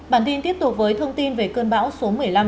bản tin tiếp tục với thông tin về cơn bão số một mươi năm